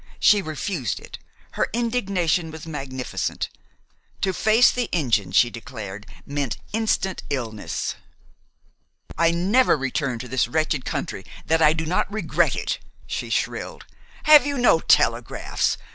She refused it. Her indignation was magnificent. To face the engine, she declared, meant instant illness. "I never return to this wretched country that I do not regret it!" she shrilled. "Have you no telegraphs?